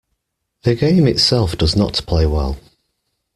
The game itself does not play well.